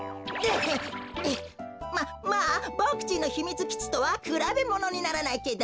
ままあぼくちんのひみつきちとはくらべものにならないけど。